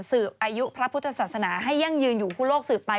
อายุพระพุทธศาสนาให้ยั่งยืนอยู่คู่โลกสืบไป